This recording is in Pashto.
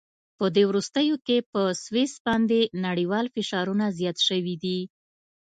په دې وروستیو کې په سویس باندې نړیوال فشارونه زیات شوي دي.